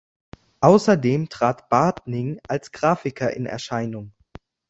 Außerdem trat Bartning als Grafiker in Erscheinung.